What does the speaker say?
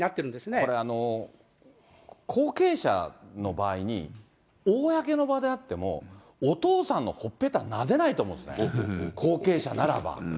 これ、後継者の場合に、公の場であっても、お父さんのほっぺたなでないと思うんですね、後継者ならば。